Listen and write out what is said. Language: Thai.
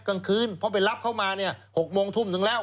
กลางคืนเพราะไปลับเข้ามา๖โมงทุ่มถึงแล้ว